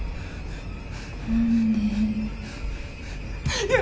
何で？